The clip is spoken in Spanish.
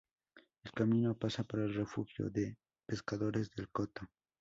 El camino pasa por el refugio de pescadores del coto.